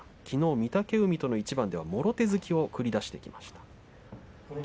きのう御嶽海の対戦ではもろ手突きを出してきました。